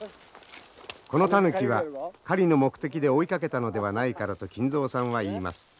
このタヌキは狩りの目的で追いかけたのではないからと金蔵さんは言います。